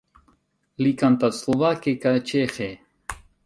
Li kantas slovake kaj ĉeĥe.